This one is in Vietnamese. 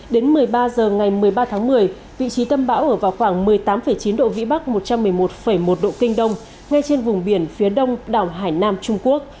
đến một mươi ba h ngày một mươi ba tháng một mươi vị trí tâm bão ở vào khoảng một mươi tám chín độ vĩ bắc một trăm một mươi bảy sáu độ kinh đông bắc